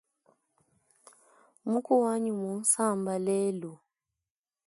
Muku wanyi mmunsamba lelu.